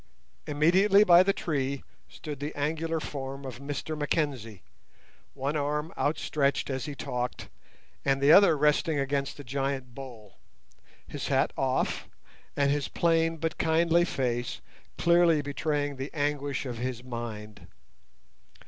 Immediately by the tree stood the angular form of Mr Mackenzie, one arm outstretched as he talked, and the other resting against the giant bole, his hat off, and his plain but kindly face clearly betraying the anguish of his mind.